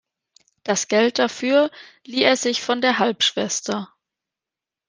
Das Geld dafür lieh er sich von der Halbschwester.